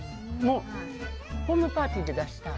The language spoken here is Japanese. ホームパーティーで出したい。